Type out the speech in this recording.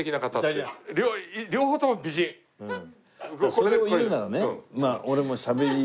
それを言うならね。